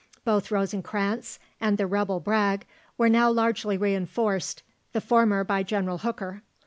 Both Rosencranz and the rebel Bragg were now largely reinforced, the former by General Hooker.